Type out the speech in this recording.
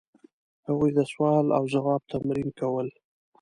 هغوی د سوال او ځواب تمرینونه کول.